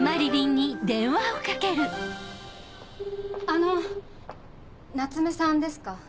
・あの夏目さんですか？